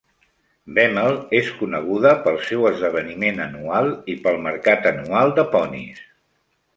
Bemmel és coneguda pel seu esdeveniment anual i pel mercat anual de ponis.